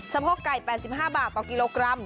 โพกไก่๘๕บาทต่อกิโลกรัม